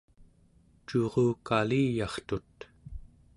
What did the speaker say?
curukaliyartut